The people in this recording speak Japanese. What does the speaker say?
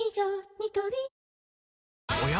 ニトリおや？